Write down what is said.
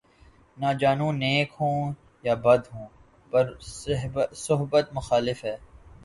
نہ جانوں نیک ہوں یا بد ہوں‘ پر صحبت مخالف ہے